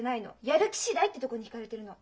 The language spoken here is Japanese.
「やる気次第」ってとこにひかれてるの。